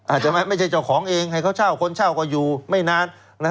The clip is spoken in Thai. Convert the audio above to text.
อาจจะไม่ใช่เจ้าของเองให้เขาเช่าคนเช่าก็อยู่ไม่นาน